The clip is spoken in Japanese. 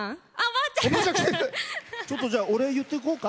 ちょっと、お礼言っておこうか。